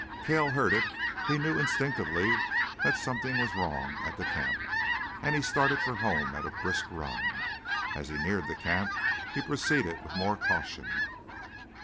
Cale heard it. He knew instinctively that something was wrong at the camp, and started for home at a brisk run. As he neared the camp he proceeded with more caution.